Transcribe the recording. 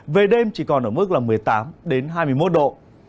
về đêm chỉ còn ở mức là một mươi tám hai mươi một độ